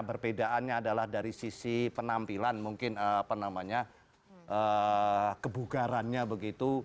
berbedaannya adalah dari sisi penampilan mungkin kebugarannya begitu